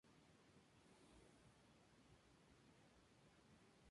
Se emplaza contigua al Río Mapocho con una vista privilegiada al cauce.